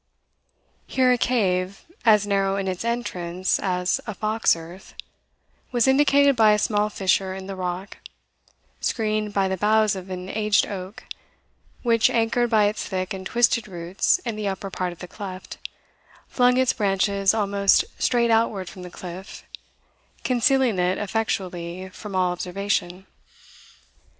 Here a cave, as narrow in its entrance as a fox earth, was indicated by a small fissure in the rock, screened by the boughs of an aged oak, which, anchored by its thick and twisted roots in the upper part of the cleft, flung its branches almost straight outward from the cliff, concealing it effectually from all observation.